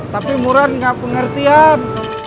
tapi murad gak pengertian